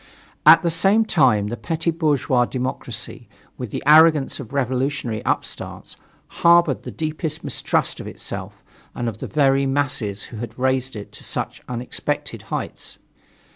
At the same time, the petty bourgeois democracy, with the arrogance of revolutionary upstarts, harbored the deepest mistrust of itself and of the very masses who had raised it to such unexpected heights.